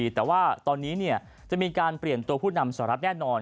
แต่ว่าตอนนี้จะมีการเปลี่ยนตัวผู้นำสหรัฐแน่นอน